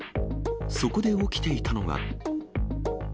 そこで起きていたのは。